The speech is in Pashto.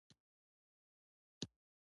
وسله د ژوند مخالفت کوي